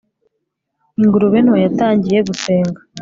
ingurube nto yatangiye gusenga